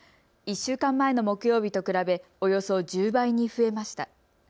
１週間前の木曜日と比べおよそ１０倍に増えました。